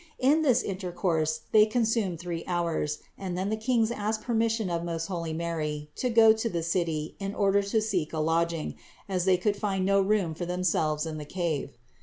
In this in tercourse they consumed three hours, and then the kings asked permission of most holy Mary to go to the city in order to seek a lodging, as they could find no room for themselves in the cave.